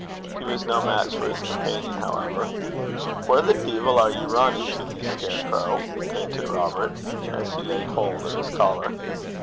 He was no match for his companion, however. 'Whaur the deevil are ye rinnin' till, ye wirrycow (scarecrow)?' panted Robert, as he laid hold of his collar.